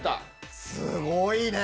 すごいね！